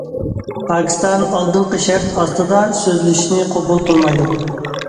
پاكىستان« ئالدىنقى شەرت» ئاستىدا سۆزلىشىشنى قوبۇل قىلمايدۇ.